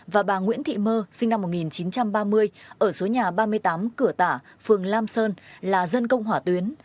và bà nguyễn thị mơ sinh năm một nghìn chín trăm ba mươi ở số nhà ba mươi tám cửa tả phường lam sơn là dân công hỏa tuyến